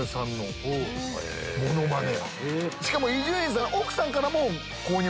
しかも伊集院さんの。